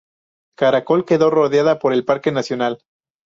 Caracol quedó rodeada por el parque nacional.